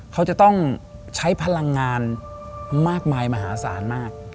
เขาจะต้องใช้พลังงานมากมายมหาศาลมาก